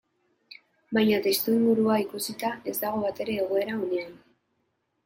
Baina testuingurua ikusita ez dago batere egoera onean.